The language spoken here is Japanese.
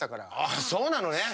あー、そうなのね。